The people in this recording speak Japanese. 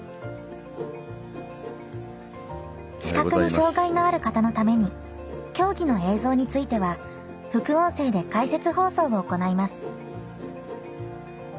視覚に障がいのある方のために競技の映像については副音声で解説放送を行います。